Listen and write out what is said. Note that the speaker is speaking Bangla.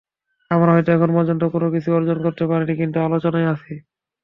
আমরা হয়তো এখন পর্যন্ত কোনো কিছু অর্জন করতে পারিনি, কিন্তু আলোচনায় আছি।